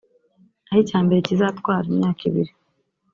aho icya mbere kizatwara imyaka ibiri